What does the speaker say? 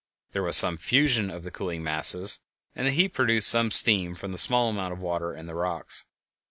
There was some fusion of the colliding masses, and the heat produced some steam from the small amount of water in the rocks.